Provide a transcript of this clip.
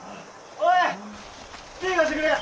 おい手ぇ貸してくれ！